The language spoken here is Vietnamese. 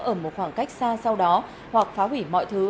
ở một khoảng cách xa sau đó hoặc phá hủy mọi thứ